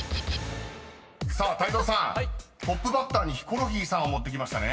［さあ泰造さんトップバッターにヒコロヒーさんを持ってきましたね］